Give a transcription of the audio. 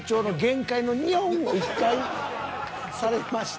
１回されました。